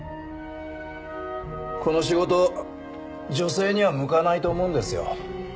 この仕事女性には向かないと思うんですよ。